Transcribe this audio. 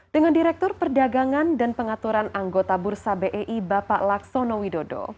dengan direktur perdagangan dan pengaturan anggota bursa bei bapak laksono widodo